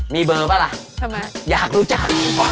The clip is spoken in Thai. มีเบอร์ป่ะล่ะอยากรู้จักอยากรู้จัก